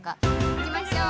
行きましょう！